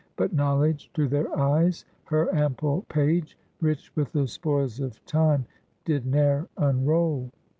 — "But Knowledge to their eyes her ample page, Rich with the spoils of Time, did ne'er unroll."